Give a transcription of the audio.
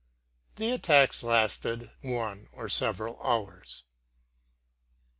The attacks lasted one or several hours.